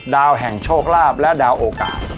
ดาวแห่งโชคลาภและดาวโอกาส